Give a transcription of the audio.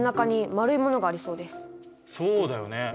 そうだよね。